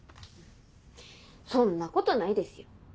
そんなことないですよ。